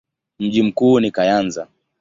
Mji mkuu ni Kayanza.